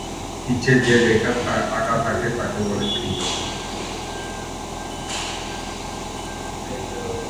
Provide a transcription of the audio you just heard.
পিচে যে রেখা আঁকা থাকে তাকে বলে ক্রিজ।